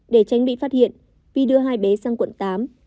để tránh bị phát hiện vi đưa hai bé sang quận tám